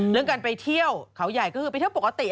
เรื่องการไปเที่ยวเขาใหญ่ก็คือไปเที่ยวปกติ